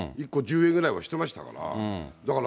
１個１０円ぐらいはしてましたから。